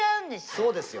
そうですよ。